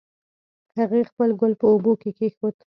هغې خپل ګل په اوبو کې کېښود